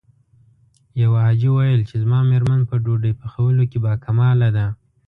يوه حاجي ويل چې زما مېرمن په ډوډۍ پخولو کې باکماله ده.